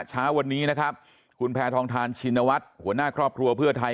เช้าวันนี้นะครับคุณแพทองทานชินวัฒน์หัวหน้าครอบครัวเพื่อไทย